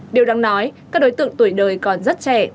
điều đáng nói các đối tượng tuổi đời còn rất trẻ